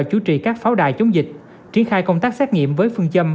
chủ trì các pháo đài chống dịch triển khai công tác xét nghiệm với phương châm